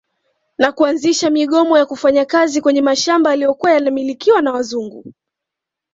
Na kuanzisha migomo ya kufanya kazi kwenye mashamba yaliyokuwa yanamilkiwa na wazungu